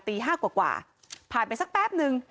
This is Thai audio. ตี๕กว่าผ่านไปสักแป๊บนึง